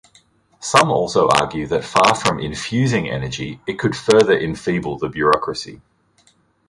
Some also argue that far from infusing energy, it could further enfeeble the bureaucracy.